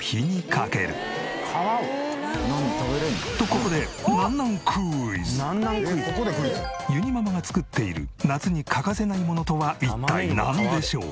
食べられるの？」とここでゆにママが作っている夏に欠かせないものとは一体なんでしょう？